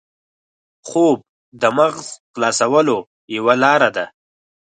خوب د مغز خلاصولو یوه لاره ده